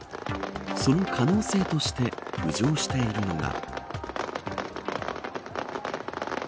その可能性として浮上しているのが。